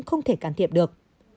tôi không thể can thiệp được